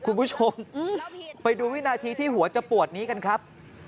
คุณผู้ชมไปดูวินาทีที่หัวจะปวดนี้กันครับ